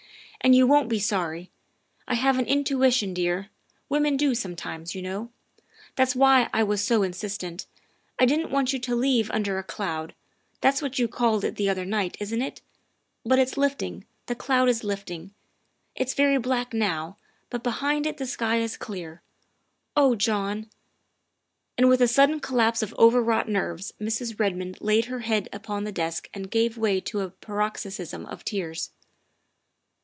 And you won't be sorry. I have an intuition, dear women do sometimes, you know. That's why I was so insistent. I didn't want you to leave under a cloud that's what you called it the other night, isn 't it ? But it 's lifting the cloud is lifting. It's very black now, but behind it the sky is clear. Oh John " And with a sudden collapse of overwrought nerves Mrs. Redmond laid her head upon the desk and gave way to a paroxysm of tears.